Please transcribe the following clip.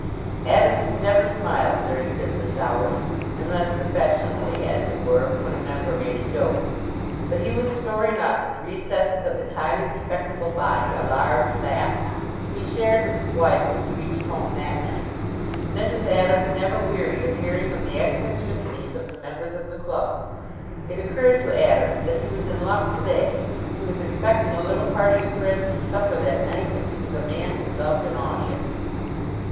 Adams never smiled during business hours unless professionally, as it were, when a member made a joke; but he was storing up in the recesses of his highly respectable body a large laugh, to be shared with his wife when he reached home that night. Mrs. Adams never wearied of hearing of the eccentricities of the members of the club. It occurred to Adams that he was in luck to day. He was expecting a little party of friends to supper that night, and he was a man who loved an audience.